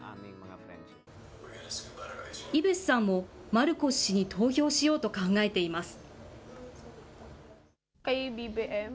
イベスさんもマルコス氏に投票しようと考えています。